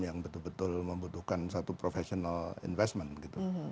yang betul betul membutuhkan satu professional investment gitu